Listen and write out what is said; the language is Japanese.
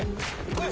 はい！